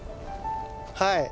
はい。